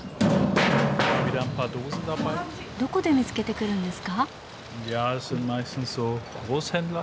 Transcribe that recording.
どこで見つけてくるんですか？